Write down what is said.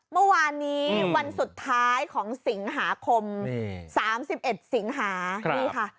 เมื่อวานนี้วันสุดท้ายของสิงหาคม๓๑สิงหานี่ค่ะ